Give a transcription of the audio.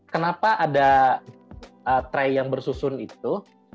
kenapa ada tray yang bersusun itu